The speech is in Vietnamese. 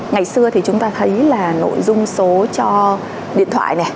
ngày xưa thì chúng ta thấy là nội dung số cho điện thoại này